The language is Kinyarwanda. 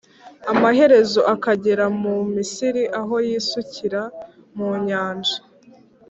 amaherezo akagera mu Misiri aho yisukira mu nyanja